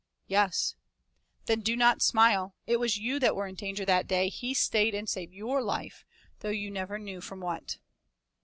"Yes." "Then do not smile. It was you that were in danger that day; he stayed and saved your life, though you never knew from what."